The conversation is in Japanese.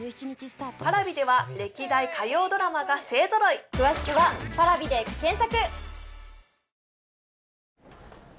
Ｐａｒａｖｉでは歴代火曜ドラマが勢揃い詳しくはパラビで検索